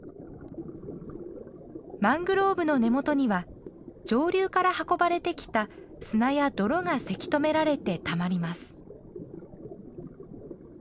マングローブの根元には上流から運ばれてきた砂や泥がせき止められてたまります。